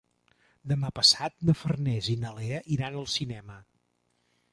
Demà passat na Farners i na Lea iran al cinema.